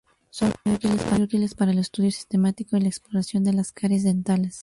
Son muy útiles para el estudio sistemático y la exploración de las caries dentales.